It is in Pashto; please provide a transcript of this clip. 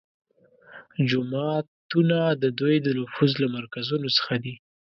جوماتونه د دوی د نفوذ له مرکزونو څخه دي